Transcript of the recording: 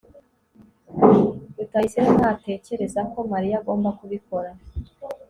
rutayisire ntatekereza ko mariya agomba kubikora